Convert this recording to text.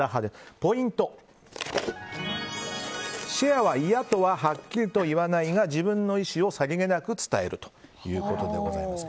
ポイント、シェアは嫌とははっきりとは言わないが自分の意思をさりげなく伝えるということでございます。